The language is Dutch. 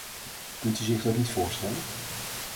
Kunt u zich dat niet voorstellen?